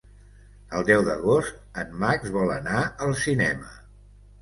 El deu d'agost en Max vol anar al cinema.